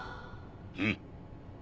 うん。